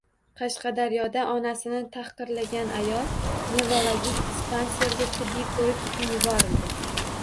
Qashqadaryoda onasini tahqirlangan ayol nevrologik dispanserga tibbiy ko‘rik uchun yuborildi